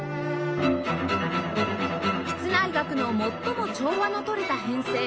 室内楽の最も調和のとれた編成